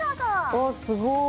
あすごい。